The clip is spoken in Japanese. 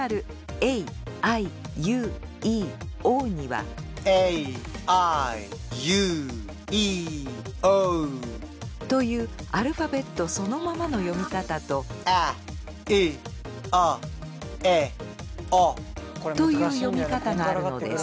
ｅｉａｉｊｕｉｏｕ．というアルファベットそのままの読み方と。という読み方があるのです。